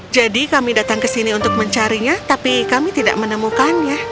jadi kami datang ke sini untuk mencarinya tapi kami tidak menemukannya